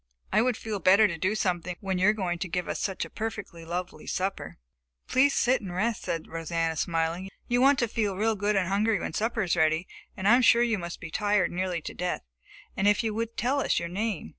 I would feel better to do something when you are going to give us such a perfectly lovely supper." "Please sit still and rest," said Rosanna, smiling. "You want to feel real good and hungry when supper is ready, and I am sure you must be tired nearly to death. And if you would tell us your name....